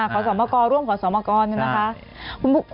ขอสอบกรร่วมขอสอบกรหนึ่งนะคะ